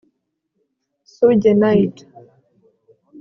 suge knight